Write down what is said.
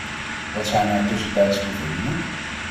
Wat zijn haar tussentijdse bevindingen?